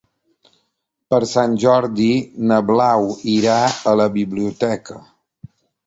Per Sant Jordi na Blau irà a la biblioteca.